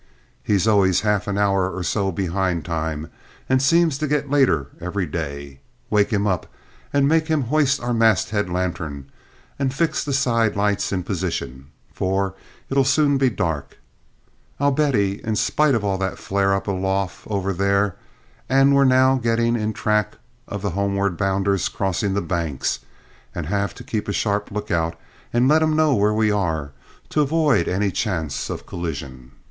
He's always half an hour or so behind time, and seems to get later every day. Wake him up and make him hoist our masthead lantern and fix the side lights in position, for it'll soon be dark, I bet 'ee, in spite of all that flare up aloft over there, and we're now getting in the track of the homeward bounders crossing the Banks, and have to keep a sharp look out and let 'em know where we are, to avoid any chance of collision."